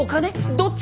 どっち！？